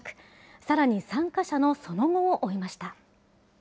さらに参加者のその後を追いました。